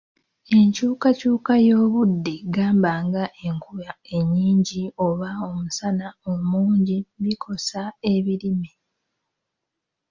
Enkyukakyuka y’obudde gamba ng’enkuba ennyingi oba omusana omungi bikosa ebirime.